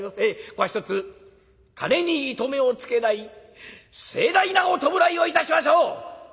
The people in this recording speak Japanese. ここはひとつ金に糸目をつけない盛大なお葬式をいたしましょう！」。